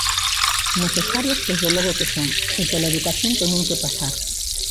Necesarios desde logo que son, e pola educación teñen que pasar.